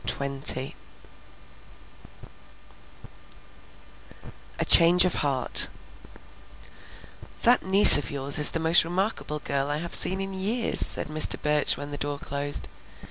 XX A CHANGE OF HEART "That niece of yours is the most remarkable girl I have seen in years," said Mr. Burch when the door closed.